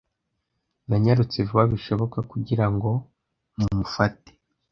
Nanyarutse vuba bishoboka kugira ngo mumufate.